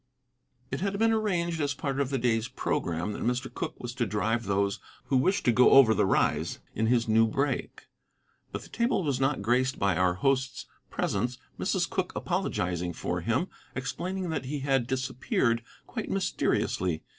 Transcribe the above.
It had been arranged as part of the day's programme that Mr. Cooke was to drive those who wished to go over the Rise in his new brake. But the table was not graced by our host's presence, Mrs. Cooke apologizing for him, explaining that he had disappeared quite mysteriously.